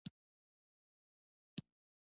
د سان ګبریل جګړه هم مخ په ختمېدو وه.